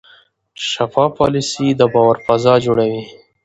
شفاف پالیسي د باور فضا جوړوي.